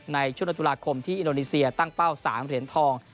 ในช่วงตุลาคมที่อินโดนีเซียตั้งเป้า๓เหรียญทอง